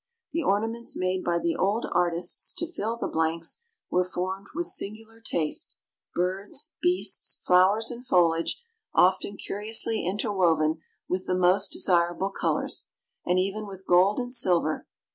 The ornaments made by the old artists to fill the blanks were formed with singular taste; birds, beasts, flowers, and foliage often curiously interwoven with the most desirable colors, and even with gold and silver.